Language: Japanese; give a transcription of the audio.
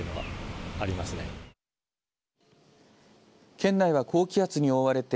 県内は高気圧に覆われて